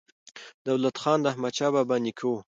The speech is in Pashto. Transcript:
دولت خان د احمدشاه بابا نیکه و.